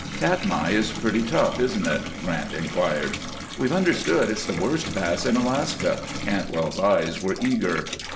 "Katmai is pretty tough, isn't it?" Grant inquired. "We've understood it's the worst pass in Alaska." Cantwell's eyes were eager.